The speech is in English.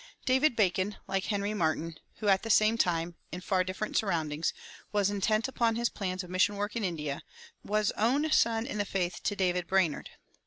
[247:1] David Bacon, like Henry Martyn, who at that same time, in far different surroundings, was intent upon his plans of mission work in India, was own son in the faith to David Brainerd.